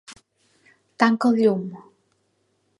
Tanca el llum.